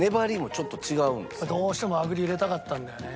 どうしても和栗入れたかったんだよね。